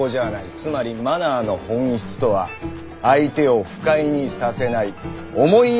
つまり「マナー」の本質とは相手を不快にさせない思いやる気持ちにあるんだ。